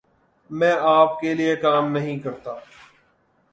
میں آپ کے لئے کام نہیں کرتا۔